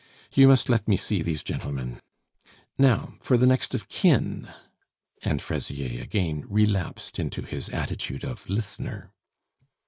You must let me see these gentlemen. Now for the next of kin," and Fraisier again relapsed into his attitude of listener.